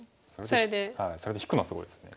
それで引くのがすごいですね。